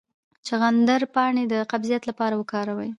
د چغندر پاڼې د قبضیت لپاره وکاروئ